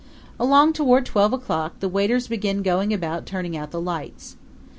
Along toward twelve thirty o'clock the waiters begin going about, turning out the lights.